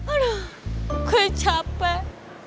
aduh gua capek